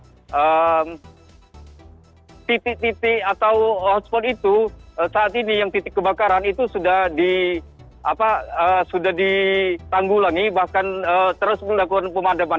ya titik titik atau hotspot itu saat ini yang titik kebakaran itu sudah ditanggulangi bahkan terus berlakon pemadaman